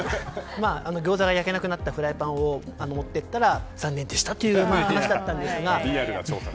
ギョーザが焼けなくなったフライパンを持って行ったら残念でしたという話でしたが。